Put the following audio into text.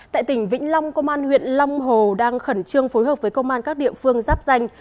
tại tỉnh vĩnh long công an huyện long hồ đang khẩn trương phối hợp với công an các địa phương giáp danh